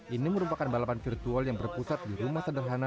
ini merupakan balapan virtual yang berpusat di rumah sederhana